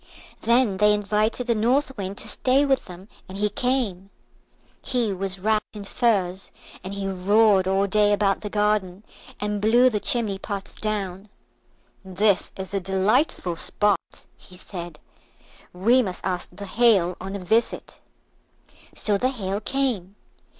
Then they invited the North Wind to stay with them, and he came. He was wrapped in furs, and he roared all day about the garden, and blew the chimney pots down. "This is a delightful spot," he said, "we must ask the Hail on a visit." So the Hail came.